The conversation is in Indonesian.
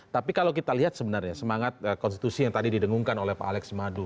tapi kalau kita lihat sebenarnya semangat konstitusi yang tadi didengungkan oleh pak alex madu